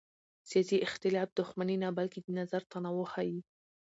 سیاسي اختلاف دښمني نه بلکې د نظر تنوع ښيي